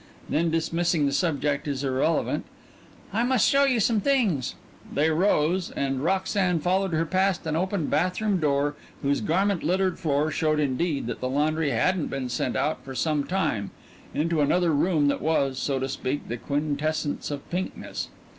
Then, dismissing the subject as irrelevant "I must show you some things " They rose and Roxanne followed her past an open bathroom door whose garment littered floor showed indeed that the laundry hadn't been sent out for some time, into another room that was, so to speak, the quintessence of pinkness.